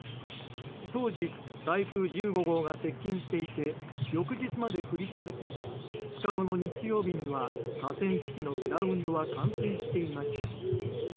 当時、台風１５号が接近していて翌日まで降り続き２日後の日曜日には河川敷のグラウンドは冠水していました。